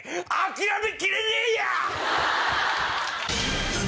諦めきれねえや！